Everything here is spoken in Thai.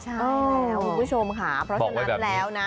ใช่แล้วคุณผู้ชมค่ะเพราะฉะนั้นแล้วนะ